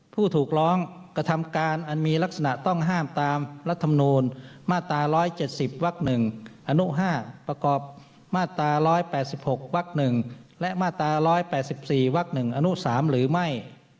ผู้ถูกร้องกระทำการอันมีลักษณะต้องห้ามตามรัฐมนูลมาตรา๑๗๐วัก๑อนุ๕ประกอบมาตรา๑๘๖วัก๑และมาตรา๑๘๔วัก๑อนุ๓หรือไม่